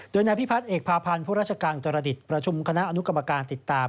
โดยนายพิพัฒน์เอกพาพันธ์ผู้ราชการอุตรดิษฐ์ประชุมคณะอนุกรรมการติดตาม